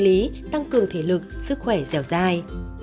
tăng cường sinh lý tăng cường thể lực sức khỏe dẻo dài